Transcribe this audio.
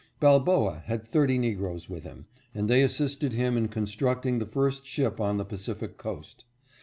Balboa had 30 Negroes with him, and they assisted him in constructing the first ship on the Pacific coast.